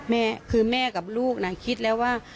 แม่คือแม่กับลูกน่ะคิดแล้วว่า